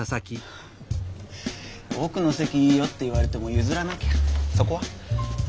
奥の席いいよって言われても譲らなきゃそこは。